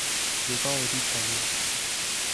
由高而低排列